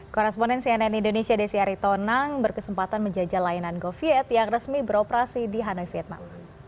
koresponen cnn indonesia desi aritonang berkesempatan menjajal layanan goviet yang resmi beroperasi di hanoi vietnam